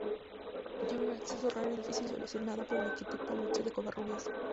Tiene un acceso raro y difícil, solucionado por el arquitecto Alonso de Covarrubias.